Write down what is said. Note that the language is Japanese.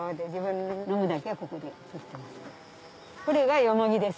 これがヨモギです。